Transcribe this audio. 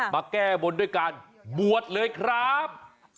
มาแก้บนด้วยการบวชเลยครับ